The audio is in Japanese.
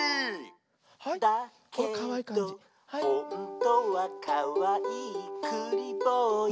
「だけどほんとはかわいいくりぼうや」